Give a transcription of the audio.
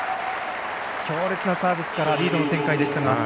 強烈なサービスからリードの展開でしたが。